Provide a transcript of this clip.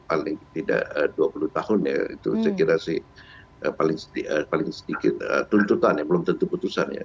paling tidak dua puluh tahun ya itu saya kira sih paling sedikit tuntutan ya belum tentu putusan ya